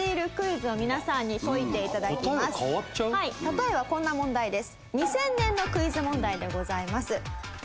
例えばこんな問題です。